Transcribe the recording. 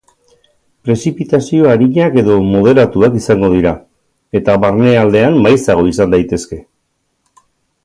Prezipitazio arinak edo moderatuak izango dira, eta barnealdean maizago izan daitezke.